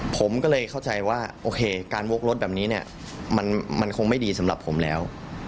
ผมก็เลยเข้าใจว่าโอเคการวกรถแบบนี้เนี่ยมันคงไม่ดีสำหรับผมแล้ว